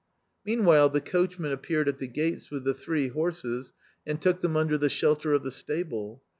Meanwhile the coachman appeared at the gates with the three horses, and took them under the shelter of the stable.